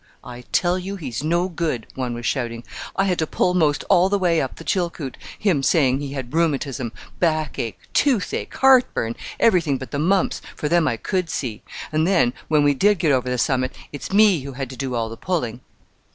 "I tell you he's no good," one was shouting. "I had to pull most all the way up the Chilkoot him saying he had rheumatism, backache, toothache, heartburn everything but the mumps, for them I could see. An' then, when we did get over the summit, it's me who had to do all the pulling."